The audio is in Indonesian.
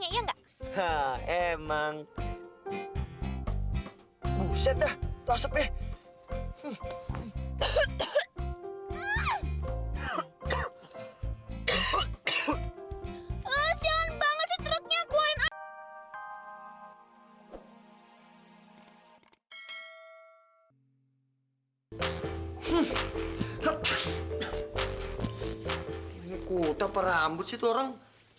ini kutah perambut sih itu orang